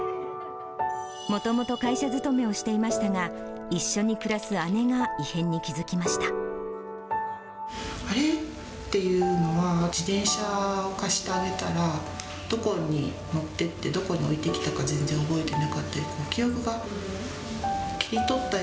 もともと会社勤めをしていましたが、一緒に暮らす姉が異変に気付あれ？っていうのは、自転車を貸してあげたら、どこに乗っていって、どこに置いてきたか、全然覚えてなかったりとか。